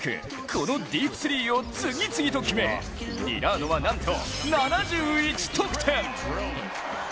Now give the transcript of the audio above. このディープスリーを次々と決め、リラードはなんと７１得点。